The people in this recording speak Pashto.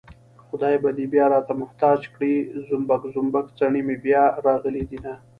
خدای به دې بيا راته محتاج کړي زومبک زومبک څڼې مې بيا راغلي دينه